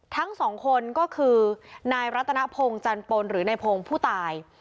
ทั้งสองคนก็คือนายรัตนพงศ์จันปนหรือนายพงศ์ผู้ตาย